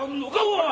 おい！